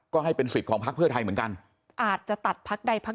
ก็ให้เป็นสิทธิ์ของพักเพื่อไทยเหมือนกันอาจจะตัดพักใดพัก